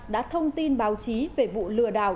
đã thông tin báo chí về vụ lừa đảo